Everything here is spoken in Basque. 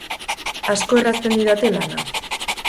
Asko errazten didate lana.